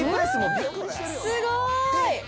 すごーい！